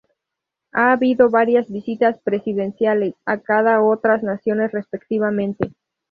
Ha habido varias visitas presidenciales a cada otras naciones respectivamente.